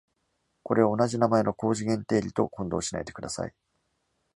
これを同じ名前の高次元定理と混同しないでください。